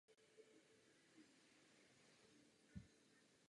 Podnebí v oblasti jezera je výrazně kontinentální a suché.